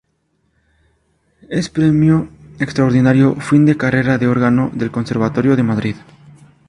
Es Premio Extraordinario Fin de Carrera de órgano del Conservatorio de Madrid.